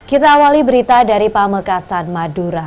kita awali berita dari pamekasan madura